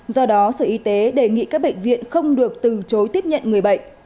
do đó sở y tế đề nghị các bệnh viện không được từ chối tiếp nhận người bệnh